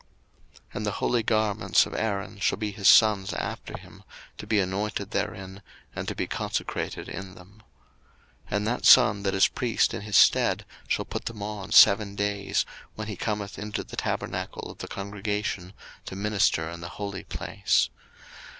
02:029:029 And the holy garments of Aaron shall be his sons' after him, to be anointed therein, and to be consecrated in them. 02:029:030 And that son that is priest in his stead shall put them on seven days, when he cometh into the tabernacle of the congregation to minister in the holy place.